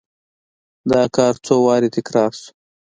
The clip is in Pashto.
دا کار څو وارې تکرار شو.